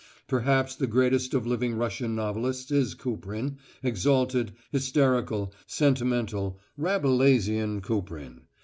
Perhaps the greatest of living Russian novelists is Kuprin exalted, hysterical, sentimental, Rabelaisian Kuprin.